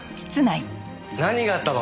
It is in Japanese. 何があったの？